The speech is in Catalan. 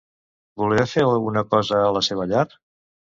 Volia fer alguna cosa a la seva llar?